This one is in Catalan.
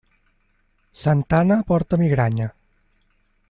Santa Anna porta migranya.